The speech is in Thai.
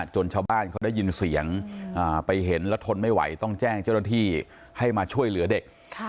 ชาวบ้านเขาได้ยินเสียงไปเห็นแล้วทนไม่ไหวต้องแจ้งเจ้าหน้าที่ให้มาช่วยเหลือเด็ก